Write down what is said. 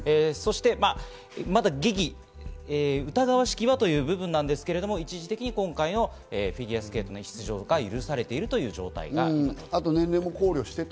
そして、まだ異議、疑わしきはという部分なんですが、一時的に今回はフィギュアスケートに出場が許されているということにあります。